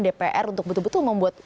dpr untuk betul betul membuat